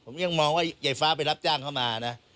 ผมยังมองว่ายายฟ้าไปรับจ้างเข้ามานะ